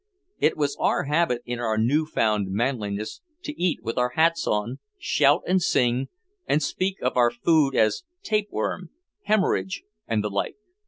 It was our habit, in our new found manliness, to eat with our hats on, shout and sing, and speak of our food as "tapeworm," "hemorrhage," and the like.